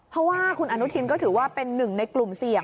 เพราะว่าคุณอนุทินก็ถือว่าเป็นหนึ่งในกลุ่มเสี่ยง